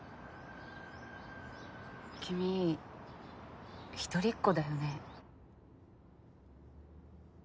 君一人っ子だよね？